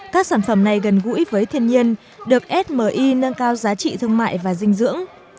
các sản phẩm này gần gũi với thiên nhiên được smi nâng cao giá trị thương mại và dinh dưỡng